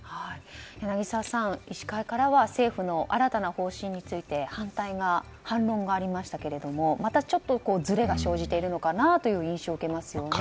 柳澤さん、医師会からは政府の新たな方針について反論がありましたがまたちょっとずれが生じているのかなという印象を受けますね。